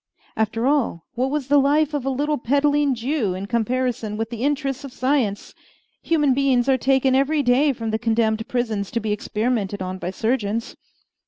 After all, what was the life of a little peddling Jew in comparison with the interests of science? Human beings are taken every day from the condemned prisons to be experimented on by surgeons.